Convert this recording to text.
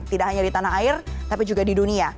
tidak hanya di tanah air tapi juga di dunia